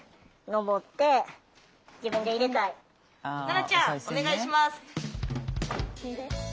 菜奈ちゃんお願いします！